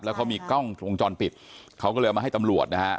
แล้วเขามีกล้องวงจรปิดเขาก็เลยเอามาให้ตำรวจนะฮะ